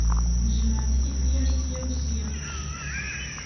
Njemmeɛ-d tifyar ssya u ssya.